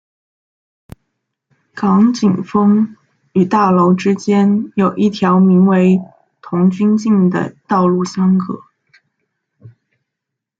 港景峰与大楼之间有一条名为童军径的道路相隔。